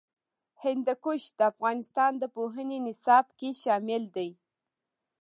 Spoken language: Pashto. هندوکش د افغانستان د پوهنې نصاب کې شامل دي.